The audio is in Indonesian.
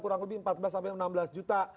kurang lebih empat belas sampai enam belas juta